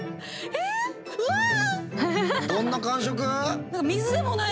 どんな感触？